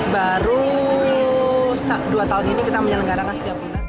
baru dua tahun ini kita menyelenggarakan setiap bulan